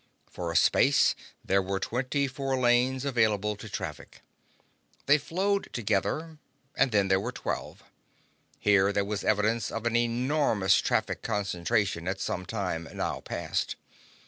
For a space there were twenty four lanes available to traffic. They flowed together, and then there were twelve. Here there was evidence of an enormous traffic concentration at some time now past.